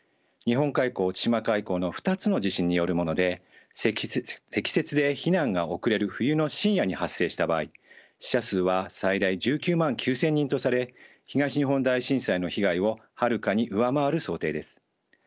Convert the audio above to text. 日本海溝千島海溝の２つの地震によるもので積雪で避難が遅れる冬の深夜に発生した場合死者数は最大１９万９，０００人とされ東日本大震災の被害をはるかに上回る想定です。